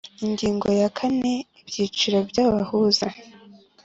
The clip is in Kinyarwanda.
Ingingo ya kane Ibyiciro by abahuza